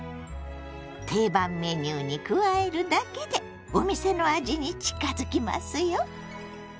定番メニューに加えるだけでお店の味に近づきますよ！